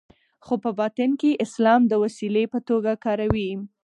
خو په باطن کې اسلام د وسیلې په توګه کاروي.